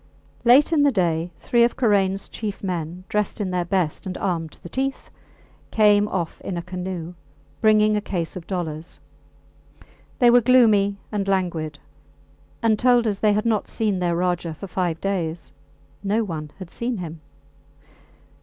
Late in the day three of Karains chief men, dressed in their best and armed to the teeth, came off in a canoe, bringing a case of dollars. They were gloomy and languid, and told us they had not seen their Rajah for five days. No one had seen him!